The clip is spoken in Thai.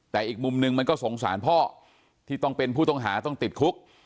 แต่อีกมุมนึงมันก็สงสารพ่อที่ต้องเป็นผู้ต้องหาต้องติดคุก